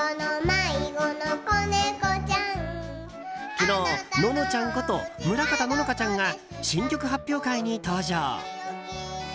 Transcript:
昨日、ののちゃんこと村方乃々佳ちゃんが新曲発表会に登場。